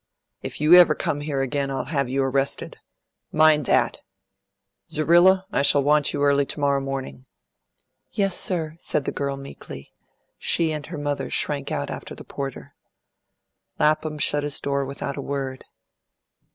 If you ever come here again, I'll have you arrested. Mind that! Zerrilla, I shall want you early to morrow morning." "Yes, sir," said the girl meekly; she and her mother shrank out after the porter. Lapham shut his door without a word.